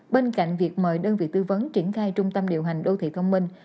bên cạnh việc mời đơn vị tư vấn triển khai trung tâm điều hành đô thị thông minh